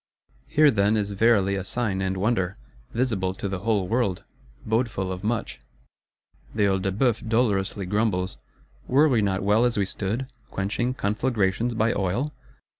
Here, then is verily a sign and wonder; visible to the whole world; bodeful of much. The Œil de Bœuf dolorously grumbles; were we not well as we stood,—quenching conflagrations by oil?